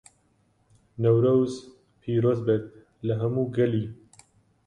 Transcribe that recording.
نەورۆز پیرۆزبێت لە هەموو گەلی